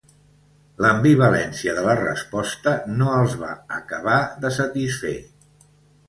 L'ambivalència de la resposta no els va acabar de satisfer.